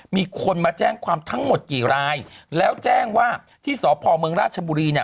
มีคนมาแจ้งความทั้งหมดกี่รายแล้วแจ้งว่าที่สพเมืองราชบุรีเนี่ย